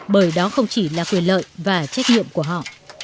bởi đó không chỉ là quyền lợi và trách nhiệm của họ